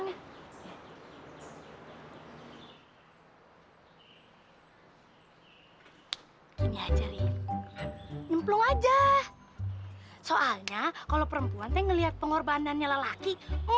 nyimplung aja soalnya kalau perempuan ngelihat pengorbanannya lelaki